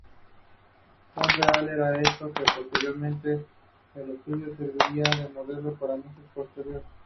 La siguiente versión es de Bob Dylan, traducido a la derecha al español.